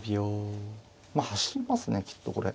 まあ走りますねきっとこれ。